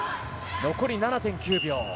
残り７．９秒。